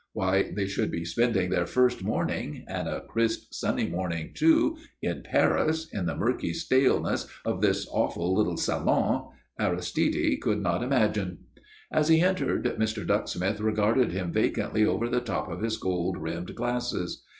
Why they should be spending their first morning and a crisp, sunny morning, too in Paris in the murky staleness of this awful little salon, Aristide could not imagine. As he entered, Mr. Ducksmith regarded him vacantly over the top of his gold rimmed glasses.